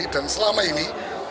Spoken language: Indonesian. dan selama ini